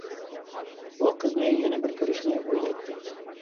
ئۇ قىزنى يەنە بىر كۆرۈشنى ئويلايتتى.